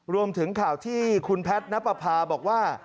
รวมถึงข่าวที่คุณแพทย์นับประพาบอกว่า